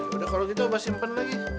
yaudah kalau gitu abah simpen lagi